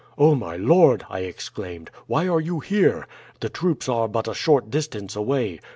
"'Oh, my lord!' I exclaimed, 'why are you here? The troops are but a short distance away.